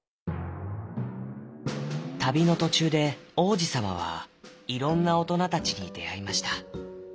たびのとちゅうで王子さまはいろんなおとなたちにであいました。